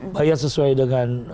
bayar sesuai dengan